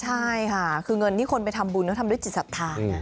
ใช่ค่ะคือเงินที่คนไปทำบุญเขาทำด้วยจิตศรัทธานะ